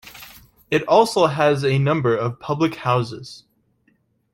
It also has a number of public houses.